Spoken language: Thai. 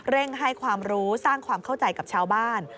ให้ความรู้สร้างความเข้าใจกับชาวบ้าน